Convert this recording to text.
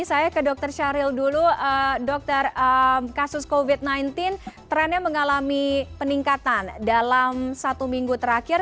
saya ke dr syahril dulu dokter kasus covid sembilan belas trennya mengalami peningkatan dalam satu minggu terakhir